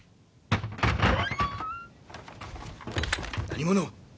何者！